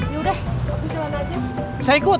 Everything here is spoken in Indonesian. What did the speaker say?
ya udah jalan aja saya ikut